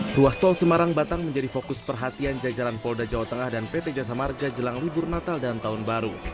ruas tol semarang batang menjadi fokus perhatian jajaran polda jawa tengah dan pt jasa marga jelang libur natal dan tahun baru